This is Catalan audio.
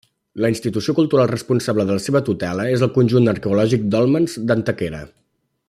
La institució cultural responsable de la seva tutela és el Conjunt Arqueològic Dòlmens d'Antequera.